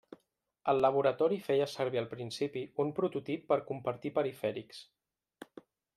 El laboratori feia servir al principi un prototip per compartir perifèrics.